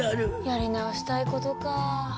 やり直したい事か。